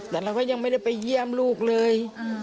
แต่เราก็ยังไม่ได้ไปเยี่ยมลูกเลย